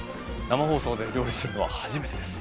生放送で料理するのは初めてです。